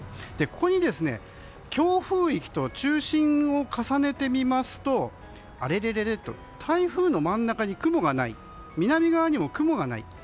ここに強風域と中心を重ねるとあれ？と台風の真ん中に雲がない南側にも雲がない。